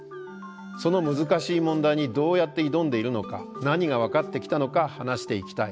その難しい問題にどうやって挑んでいるのか何が分かってきたのか話していきたい。